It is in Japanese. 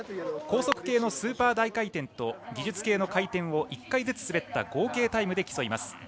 高速系のスーパー大回転と技術系の回転を１回ずつ滑った合計タイムで競います。